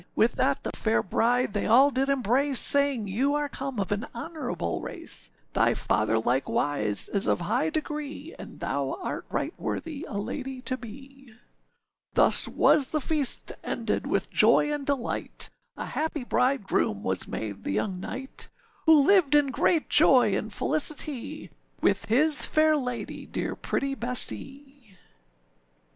With that the fair bride they all did embrace, Saying, âYou are come of an honourable race, Thy father likewise is of high degree, And thou art right worthy a lady to be.â Thus was the feast ended with joy and delight, A happy bridegroom was made the young knight, Who lived in great joy and felicity, With his fair lady dear pretty Bessee.